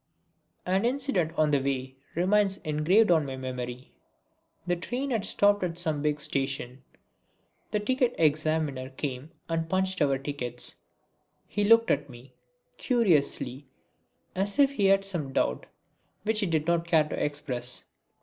An incident on the way remains engraved on my memory. The train had stopped at some big station. The ticket examiner came and punched our tickets. He looked at me curiously as if he had some doubt which he did not care to express.